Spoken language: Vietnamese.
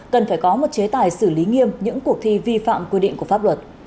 cần phải có một chế tài xử lý nghiêm những cuộc thi vi phạm quy định của pháp luật